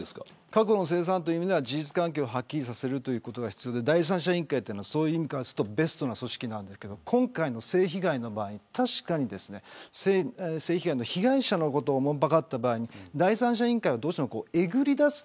過去の清算という意味では事実関係をはっきりさせることが必要で、第三者委員会はその意味に関するとベストな組織ですが今回の性被害の場合は被害者のことをおもんばかった場合第三者委員会はえぐり出す